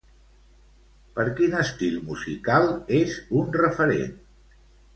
Per quin estil musical és un referent?